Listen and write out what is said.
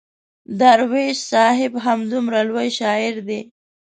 درویش صاحب همدومره لوی شاعر دی.